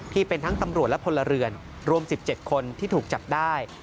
ที่เป็นทั้งตำรวจและพลเรือนรวม๑๗คนที่ถูกจับได้